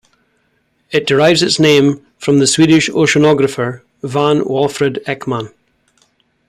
It derives its name from the Swedish oceanographer Vagn Walfrid Ekman.